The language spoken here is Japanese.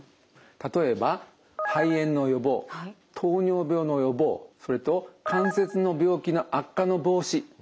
例えば肺炎の予防糖尿病の予防それと関節の病気の悪化の防止などにも効果があります。